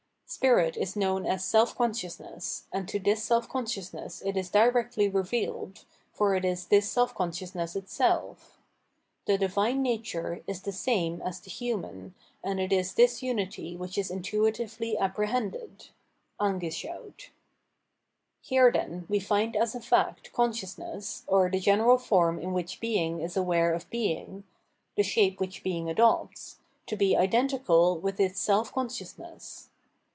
Spirit is known as seH consciousness, and to this self consciousness it is directly revealed, for it is this self consciousness itself. The divine nature is the same as the human, and it is this unity which is intuitively apprehended [angescho/ut). Here, then, we find as a fact consciousness, or the general form in which Being is aware of Being the shape which Being adopts — to be identical with its self consciousness.